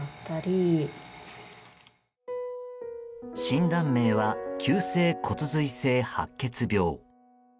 診断名は急性骨髄性白血病。